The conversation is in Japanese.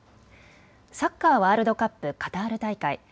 サッカーワールドカップカタール大会。